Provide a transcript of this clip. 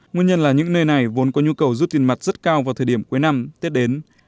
nguyên nhân là những nơi này vốn có nhu cầu rút tiền mặt rất cao vào thời điểm cuối năm tết đến